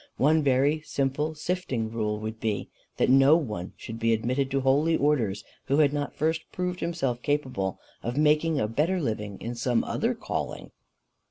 One very simple sifting rule would be, that no one should be admitted to holy orders who had not first proved himself capable of making a better living in some other calling."